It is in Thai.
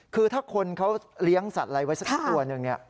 คือถ้าคนเขาเลี้ยงสัตว์อะไรไว้สักตัวหนึ่งเนี่ย